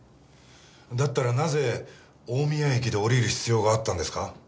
だったらなぜ大宮駅で降りる必要があったんですか？